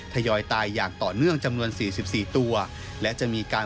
ทยอยตายอย่างต่อเนื่องจำนวน๔๔ตัวและจะมีการ